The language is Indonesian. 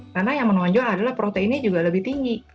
karena yang menonjol adalah proteinnya juga lebih tinggi